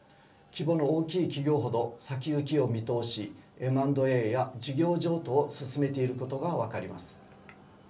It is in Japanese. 規模の大きい企業ほど先行きを見通しＭ＆Ａや事業譲渡を進めていることが分かります。